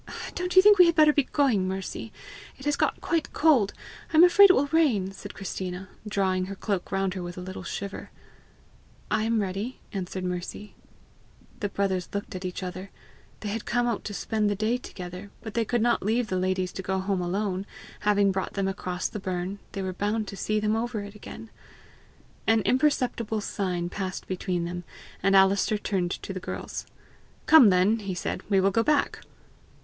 "Don't you think we had better be going, Mercy? It has got quite cold; I am afraid it will rain," said Christina, drawing her cloak round her with a little shiver. "I am ready," answered Mercy. The brothers looked at each other. They had come out to spend the day together, but they could not leave the ladies to go home alone; having brought them across the burn, they were bound to see them over it again! An imperceptible sign passed between them, and Alister turned to the girls. "Come then," he said, "we will go back!"